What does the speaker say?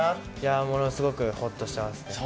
ものすごくほっとしてます。